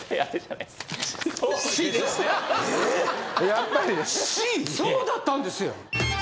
やっぱりねそうだったんですよ